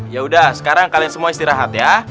yaudah sekarang kalian semua istirahat ya